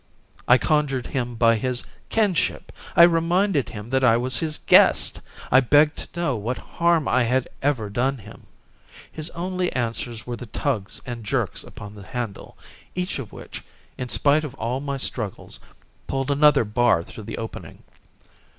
I conjured him by his kinship. I reminded him that I was his guest; I begged to know what harm I had ever done him. His only answers were the tugs and jerks upon the handle, each of which, in spite of all my struggles, pulled another bar through the opening.